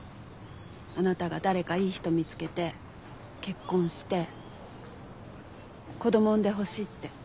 あなたが誰かいい人見つけて結婚して子ども産んでほしいって。